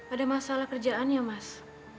ada masalah kerjaannya mas